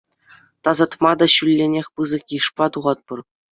Тасатма та ҫулленех пысӑк йышпа тухатпӑр.